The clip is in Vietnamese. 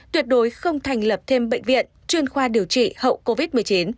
tuyệt đối không thành lập thêm bệnh viện chuyên khoa điều trị hậu covid một mươi chín